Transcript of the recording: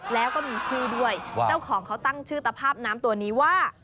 แล้วก็มีชื่อด้วยเจ้าของเขาตั้งชื่อตภาพน้ำตัวนี้ว่า